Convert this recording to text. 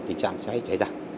tình trạng cháy cháy ra